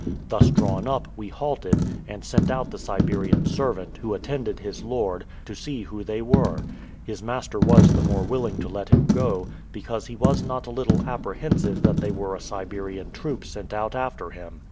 Thus drawn up, we halted, and sent out the Siberian servant, who attended his lord, to see who they were; his master was the more willing to let him go, because he was not a little apprehensive that they were a Siberian troop sent out after him.